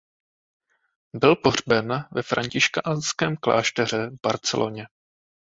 Byl pohřben ve františkánském klášteře v Barceloně.